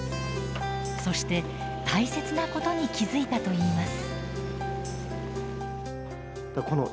そして大切なことに気付いたといいます。